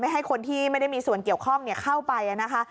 ให้คนที่ไม่ได้มีส่วนเกี่ยวข้องเข้าไปนะคะ